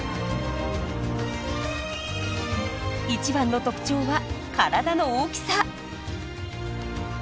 一番の特徴は体の大きさ。